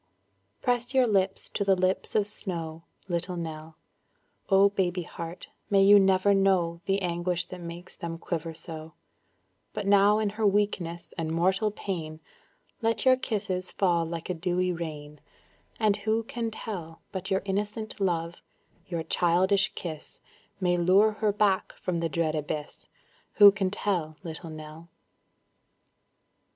Press your lips to the lips of snow, Little Nell; Oh baby heart, may you never know The anguish that makes them quiver so; But now in her weakness and mortal pain, Let your kisses fall like a dewy rain, And who can tell But your innocent love, your childish kiss May lure her back from the dread abyss; Who can tell, Little Nell.